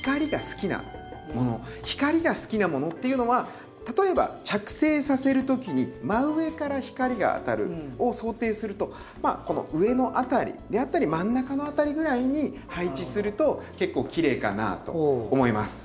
光が好きなものっていうのは例えば着生させる時に真上から光が当たるのを想定するとこの上の辺りであったり真ん中の辺りぐらいに配置すると結構きれいかなと思います。